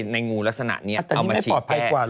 ในงูลักษณะนี้เอามาฉีกแก้